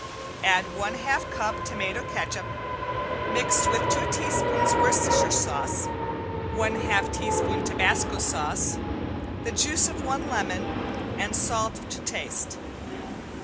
Add one half cup tomato catsup, mixed with two teaspoons Worcestershire sauce, one half teaspoon tabasco sauce, the juice of one lemon, and salt to taste.